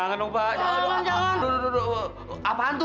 terus kamu pake baju apa biar suka sama lu